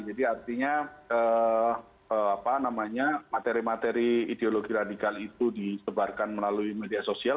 jadi artinya materi materi ideologi radikal itu disebarkan melalui media sosial